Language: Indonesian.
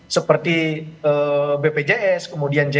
seperti bpjs kemudian jk